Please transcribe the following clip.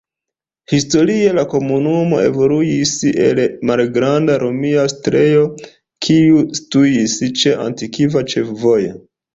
Historie la komunumo evoluis el malgranda romia setlejo, kiu situis ĉe antikva ĉefvojo.